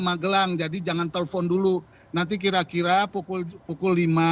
magelang jadi jangan telpon dulu nanti kira kira pukul pukul lima